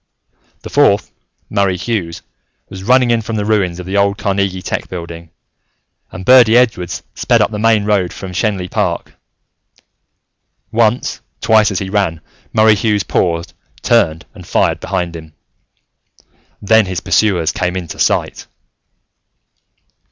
The fourth, Murray Hughes, was running in from the ruins of the old Carnegie Tech buildings, and Birdy Edwards sped up the main road from Schenley Park. Once, twice, as he ran, Murray Hughes paused, turned, and fired behind him. Then his pursuers came into sight!